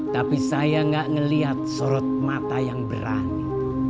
tapi saya gak melihat sorot mata yang berani